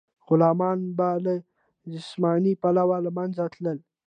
غلامان به له جسماني پلوه له منځه تلل.